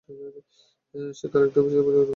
সে কালেক্টরের অফিসে অভিযোগ করতে যাচ্ছে।